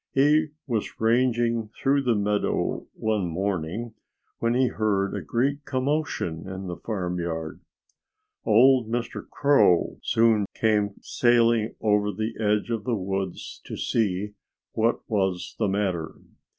He was ranging through the meadow one morning when he heard a great commotion in the farmyard. Old Mr. Crow soon came sailing over from the edge of the woods to see what was the matter.